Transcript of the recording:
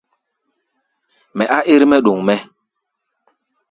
Mɛ á ɛ́r-mɛ́ ɗoŋ mɛ́.